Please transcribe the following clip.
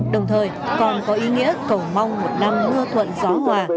đồng thời còn có ý nghĩa cầu mong một năm mưa thuận gió hòa